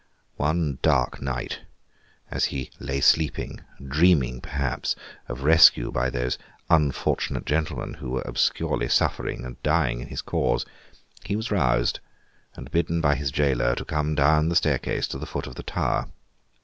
One dark night, as he lay sleeping, dreaming perhaps of rescue by those unfortunate gentlemen who were obscurely suffering and dying in his cause, he was roused, and bidden by his jailer to come down the staircase to the foot of the tower.